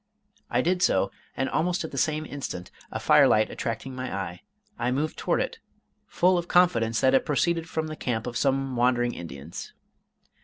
I did so, and almost at the same instant a fire light attracting my eye, I moved toward it, full of confidence that it proceeded from the camp of some wandering Indians.